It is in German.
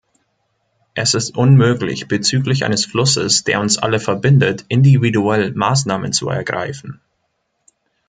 Es ist unmöglich, bezüglich eines Flusses, der uns alle verbindet, individuell Maßnahmen zu ergreifen.